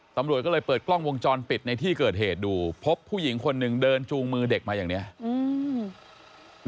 ตำรวจก็เลยเปิดกล้องวงจรปิดในที่เกิดเหตุดูพบผู้หญิงคนหนึ่งเดินจูงมือเด็กมาอย่างเนี้ยอืม